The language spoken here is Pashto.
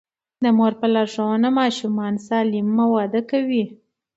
د مور په لارښوونه ماشومان سالم وده کوي.